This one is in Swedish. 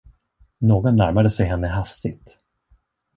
Någon närmade sig henne hastigt.